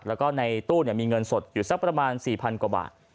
แล้วก็ในตู้มีเงินสดอยู่สักประมาณ๔๐๐กว่าบาท